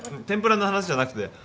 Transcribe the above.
天ぷらの話じゃなくて。